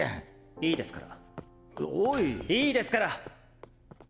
いいですから！